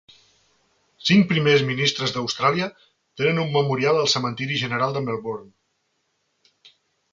Cinc primers ministres d'Austràlia tenen un memorial al cementiri general de Melbourne.